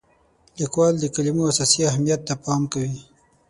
لیکوال د کلمو اساسي اهمیت ته پام کوي.